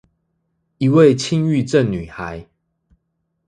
一位輕鬱症女孩